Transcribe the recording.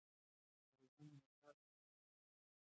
انګریزان د نجات لاره تړي.